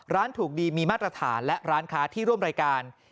ถูกดีมีมาตรฐานและร้านค้าที่ร่วมรายการ